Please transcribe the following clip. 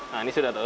nah ini sudah tuh